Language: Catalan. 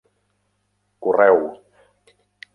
Correu.